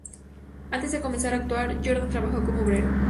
Antes de comenzar a actuar, Jordan trabajó como obrero.